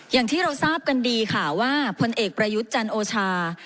อย่างที่เราทราบกันดีค่ะว่าพลเอกประยุทธ์จันโอชา